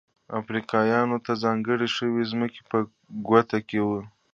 افریقایانو ته ځانګړې شوې ځمکه په ګوته کوي.